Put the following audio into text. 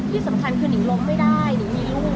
ที่สำคัญคือนิงล้มไม่ได้นิ่งมีลูก